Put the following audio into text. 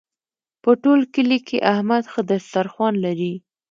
په ټول کلي کې احمد ښه دسترخوان لري.